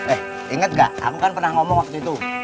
eh inget gak aku kan pernah ngomong waktu itu